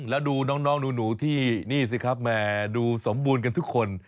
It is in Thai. แล้วดูน้องหนูที่นี่สิครับแหมดูสมบูรณ์กันทุกคน